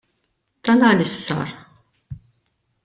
Dan għaliex sar?